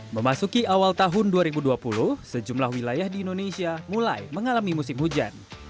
memasuki awal tahun dua ribu dua puluh sejumlah wilayah di indonesia mulai mengalami musim hujan